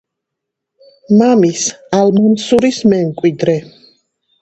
მამის, ალ-მანსურის მემკვიდრე.